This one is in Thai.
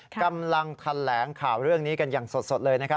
กำลังแถลงข่าวเรื่องนี้กันอย่างสดเลยนะครับ